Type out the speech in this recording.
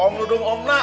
om ludung omnak